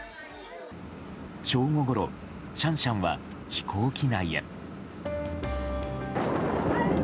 正午ごろ、シャンシャンは飛行機内へ。